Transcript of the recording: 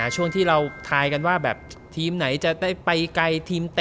ช่วงที่เราทายกันว่าแบบทีมไหนจะได้ไปไกลทีมเตะ